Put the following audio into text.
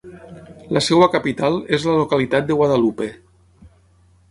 La seva capital és la localitat de Guadalupe.